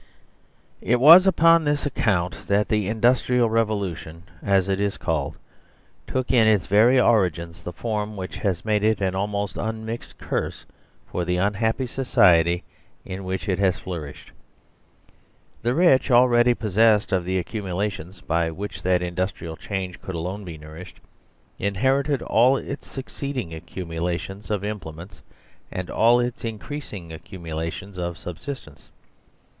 It was upon this account that the Industrial Re volution, as it is called, took in its very origins the form which has made it an almost unmixed curse for the unhappy society in which it has flourished. The rich.already possessedof the accumulations by which that industrial change could alone be nourished, in herited all its succeeding accumulations of imple ments and all its increasing accumulations of sub sistence.